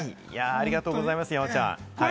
ありがとうございます、山ちゃん。